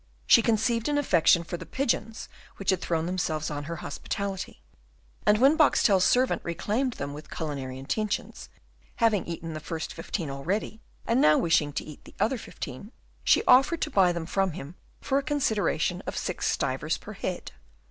She conceived an affection for the pigeons which had thrown themselves on her hospitality; and when Boxtel's servant reclaimed them with culinary intentions, having eaten the first fifteen already, and now wishing to eat the other fifteen, she offered to buy them from him for a consideration of six stivers per head.